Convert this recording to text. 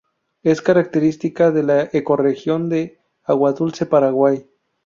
Es característica de la ecorregión de agua dulce Paraguay.